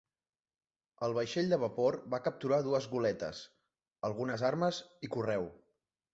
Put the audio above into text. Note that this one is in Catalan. El vaixell de vapor va capturar dues goletes, algunes armes i correu.